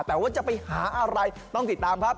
แต่ว่าจะไปหาอะไรต้องติดตามครับ